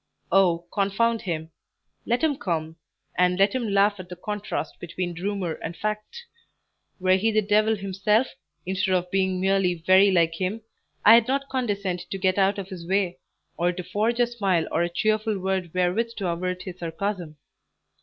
Oh, confound him! Let him come, and let him laugh at the contrast between rumour and fact. Were he the devil himself, instead of being merely very like him, I'd not condescend to get out of his way, or to forge a smile or a cheerful word wherewith to avert his sarcasm."